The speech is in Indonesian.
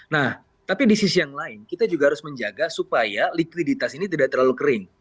nah tapi di sisi yang lain kita juga harus menjaga supaya likuiditas ini tidak terlalu kering